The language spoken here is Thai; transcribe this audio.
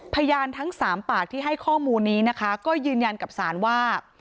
ทั้งสามปากที่ให้ข้อมูลนี้นะคะก็ยืนยันกับศาลว่า